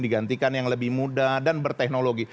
digantikan yang lebih muda dan berteknologi